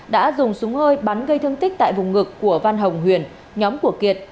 đã dùng súng hơi bắn gây thương tích tại vùng ngực của văn hồng huyền nhóm của kiệt